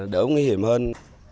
đỡ nguy hiểm hơn